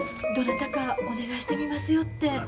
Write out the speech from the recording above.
どなたかお願いしてみますよって。